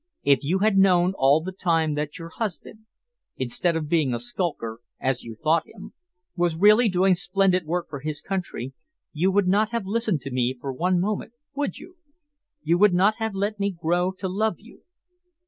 If you had known all the time that your husband, instead of being a skulker, as you thought him, was really doing splendid work for his country, you would not have listened to me for one moment, would you? You would not have let me grow to love you?"